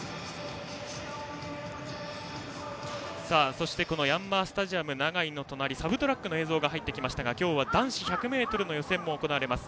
そしてヤンマースタジアム長居の隣サブトラックの映像が入ってきましたが今日は男子１００ｍの予選も行われます。